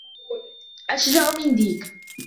أشجع من ديك